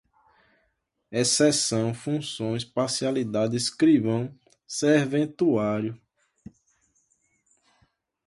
exceção, funções, parcialidade, escrivão, serventuário